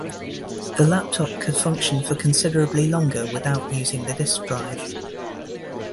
The laptop could function for considerably longer without using the disk drive.